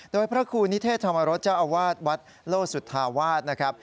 โดยพระครูนิเทศธรรมรสเจ้าอาวาสวัดโลสุธาวาสนะครับ